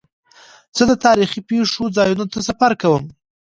زه د تاریخي پېښو ځایونو ته سفر کوم.